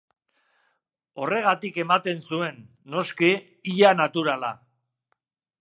Horregatik ematen zuen, noski, ia naturala.